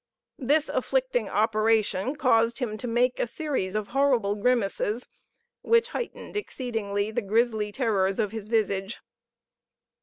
This afflicting operation caused him to make a series of horrible grimaces, which heightened exceedingly the grisly terrors of his visage.